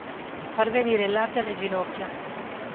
Far venire il latte alle ginocchia.